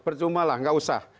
percuma lah tidak usah